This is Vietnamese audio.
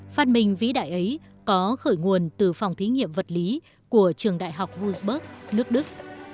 phát minh vĩ đại ấy có khởi nguồn từ phòng thí nghiệm vật lý của trường đại học vunsburg nước đức